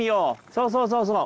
そうそうそうそう。